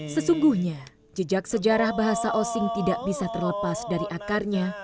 sesungguhnya jejak sejarah bahasa osing tidak bisa terlepas dari akarnya